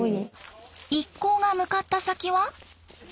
一行が向かった先は。